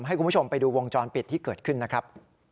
ให้คุณผู้ชมไปดูวงจรปิดที่เกิดขึ้นนะครับ